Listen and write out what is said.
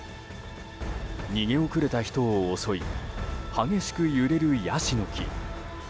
逃げ遅れた人を襲い激しく揺れるヤシの木。